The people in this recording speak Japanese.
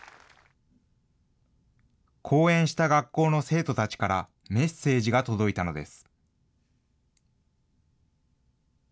講演した学校の生徒たちからメッセージが届いたのです。